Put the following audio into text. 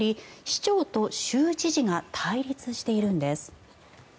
市長と州知事が対立しているんです。